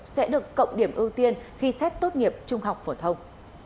sẽ được cộng điểm ưu tiên khi xét tốt nghiệp trung học phổ thông